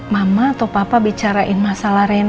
mama atau papa bicarain masalah rena